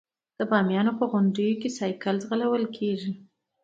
د بامیانو په غونډیو کې سایکل ځغلول کیږي.